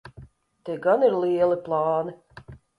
Tie gan ir lieli plāni.